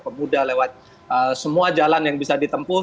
pemuda lewat semua jalan yang bisa ditempuh